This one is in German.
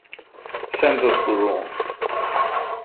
Census Bureau